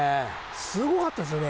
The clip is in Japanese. すごかったですよね。